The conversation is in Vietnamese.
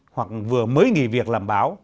hoặc vừa mới nghỉ việc làm báo